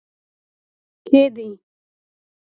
کې دی